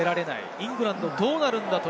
イングランド、どうなるんだ？